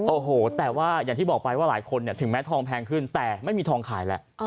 โอ้โหแต่ว่าอย่างที่บอกไปว่าหลายคนถึงแม้ทองแพงขึ้นแต่ไม่มีทองขายแล้ว